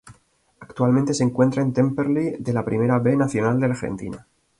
Actualmente se encuentra en Temperley de la Primera B Nacional de Argentina.